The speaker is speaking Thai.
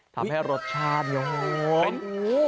ทำให้รสชาติหวาน